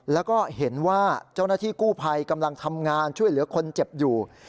แล้วก็เห็นว่าเจ้าหน้าที่กู้ภัยกำลังทำงานช่วยเหลือคนเจ็บอยู่